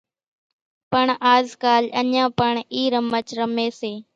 پڻ آز ڪال اڃان پڻ اِي رمچ رمي سي